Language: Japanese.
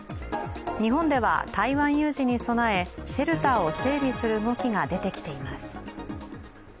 日本では、台湾有事に備え、シェルターを整備する動きが出てきています。